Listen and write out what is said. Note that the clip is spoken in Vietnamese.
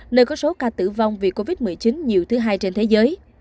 nơi có số ca tử vong vì covid một mươi chín nhiều thứ hai trên thế giới